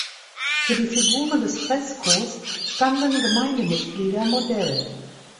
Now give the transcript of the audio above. Für die Figuren des Freskos standen Gemeindemitglieder Modell.